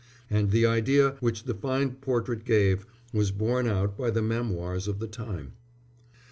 And the idea which the fine portrait gave, was borne out by the memoirs of the time.